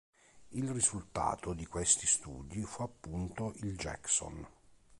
Il risultato di questi studi fu appunto il Jackson.